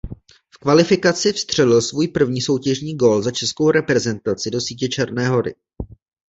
V kvalifikaci vstřelil svůj první soutěžní gól za českou reprezentaci do sítě Černé Hory.